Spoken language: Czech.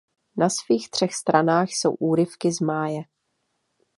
Na svých třech stranách jsou úryvky z Máje.